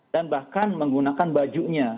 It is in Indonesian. dan bahkan menggunakan bajunya